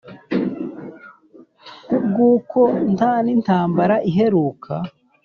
kubwuko ntanintambara iheruka